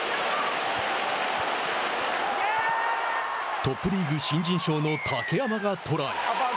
トップリーグ新人賞の竹山がトライ。